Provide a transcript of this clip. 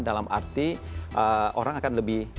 dalam arti orang akan lebih